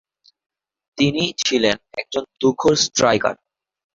তিনি ছিলেন একজন তুখোড় স্ট্রাইকার।